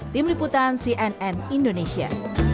tim liputan cnn indonesia